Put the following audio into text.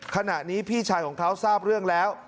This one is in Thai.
ขณะนี้พี่ชายของเขาทราบเรื่องแล้ว